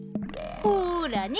ほらね。